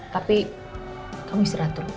tapi kamu istirahat dulu